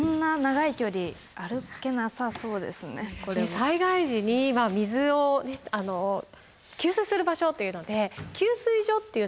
災害時に水を給水する場所というので「給水所」っていうのができるんですね。